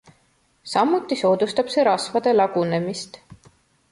Samuti soodustab see rasvade lagunemist.